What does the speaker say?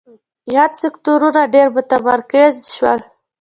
یاد سکتورونه ډېر متمرکز شول.